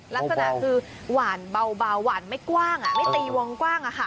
ลักษณะคือหวานเบาหวานไม่กว้างไม่ตีวงกว้าง